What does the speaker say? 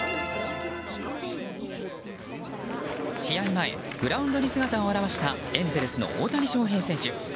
前グラウンドに姿を現したエンゼルスの大谷翔平選手。